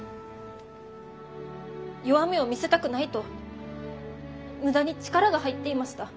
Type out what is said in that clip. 弱みを見せたくないと無駄に力が入っていました。